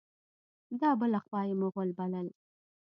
دا بله خوا یې مغل بلل.